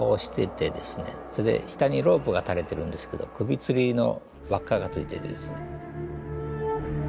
それで下にロープが垂れてるんですけど首吊りの輪っかがついててですね。